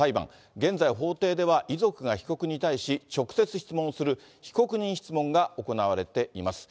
現在、法廷では遺族が被告に対し直接質問する、被告人質問が行われています。